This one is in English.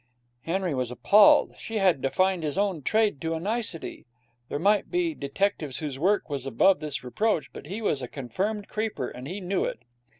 Henry was appalled. She had defined his own trade to a nicety. There might be detectives whose work was above this reproach, but he was a confirmed creeper, and he knew it.